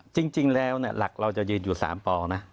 จริงแล้วหลักเราจะยืนอยู่๓ปอนะ